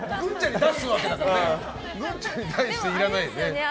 グンちゃんに対してはいらないよね。